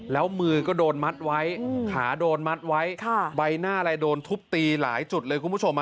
แล้วมือก็โดนมัดไว้ขาโดนมัดไว้ใบหน้าอะไรโดนทุบตีหลายจุดเลยคุณผู้ชม